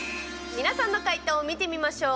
皆さんの解答、見てみましょう。